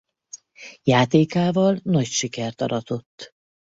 Játékával nagy sikert aratott.